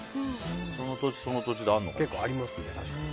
その土地その土地であるのかもしれない。